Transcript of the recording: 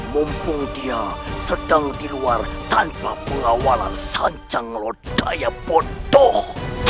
mumpung dia sedang di luar tanpa pengawalan sanjang lo daya bodoh